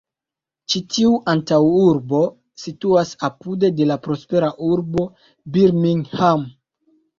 Ĉi tiu antaŭurbo situas apude de la prospera urbo Birmingham.